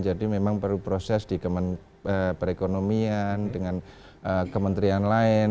jadi memang perlu proses di perekonomian dengan kementerian lain